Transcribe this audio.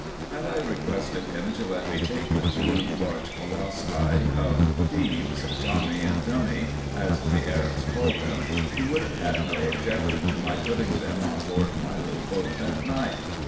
Had I requested him to let me take the two large colossi of Thebes, Tommy and Dummy, as the Arabs call them, he would have had no objection to my putting them on board my little boat that night.